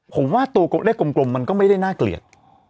ผมว่าตัวเลขกลมมันก็ไม่ได้น่าเกลียด